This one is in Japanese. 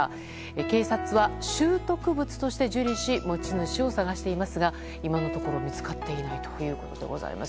警察は拾得物として受理し持ち主を探していますが今のところ見つかっていないということです。